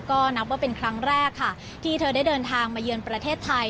ก็นับว่าเป็นครั้งแรกค่ะที่เธอได้เดินทางมาเยือนประเทศไทย